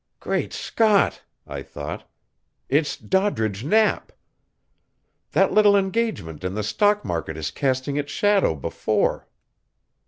"Great Scott!" I thought. "It's Doddridge Knapp. That little engagement in the stock market is casting its shadow before."